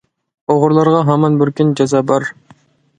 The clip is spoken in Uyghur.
ئوغرىلارغا ھامان بىر كۈنى جازا بار.